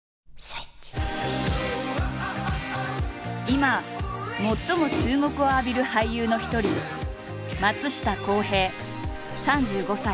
今最も注目を浴びる俳優の一人松下洸平３５歳。